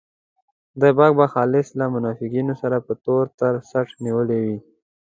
خدای پاک به خالص له منافقینو سره په تور تر څټ نیولی وي.